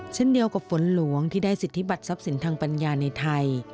เช่นเดียวกับฝนหลวงที่ได้สิทธิบัตรทรัพย์สินทางปัญญาในไทย